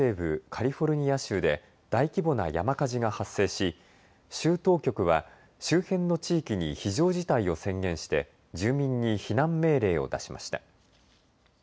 カリフォルニア州で大規模な山火事が発生し州当局は周辺の地域に非常事態を宣言して住民に避難命令を出しました。